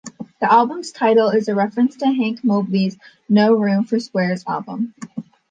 The album's title is a reference to Hank Mobley's "No Room for Squares" album.